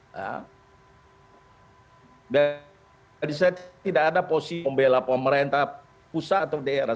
saya tidak ada posisi membela pemerintah pusat atau daerah